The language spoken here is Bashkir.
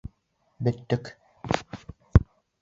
Бөттөк!